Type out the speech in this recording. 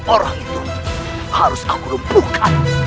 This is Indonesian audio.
orang itu harus aku lumpuhkan